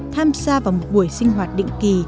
tham gia vào một buổi sinh hoạt định kỳ